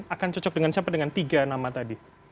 akan cocok dengan siapa dengan tiga nama tadi